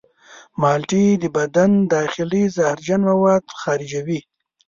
مالټې د بدن داخلي زهرجن مواد خارجوي.